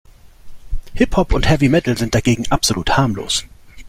Hip-Hop und Heavy Metal sind dagegen absolut harmlos.